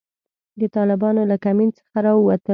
د طالبانو له کمین څخه را ووتلو.